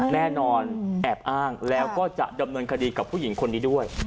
แน่นอนแอบอ้างแล้วก็จะดำเนินคดีกับผู้หญิงคนนี้ด้วย